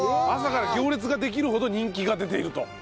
朝から行列ができるほど人気が出ていると。